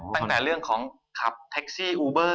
ตั้งแต่เรื่องของขับแท็กซี่อูเบอร์